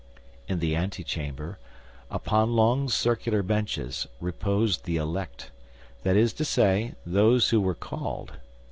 In the antechamber, upon long circular benches, reposed the elect; that is to say, those who were called.